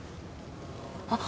あっ。